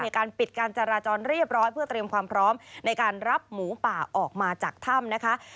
มีการปิดการจราจรเรียบร้อยเพื่อเตรียมความพร้อมในการรับหมูป่าออกมาจากถ้ำนะคะ